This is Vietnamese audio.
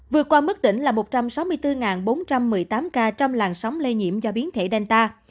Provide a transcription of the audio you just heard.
vừa qua mức đỉnh là một trăm sáu mươi bốn bốn trăm một mươi tám ca trong làn sóng lây nhiễm do biến thể danta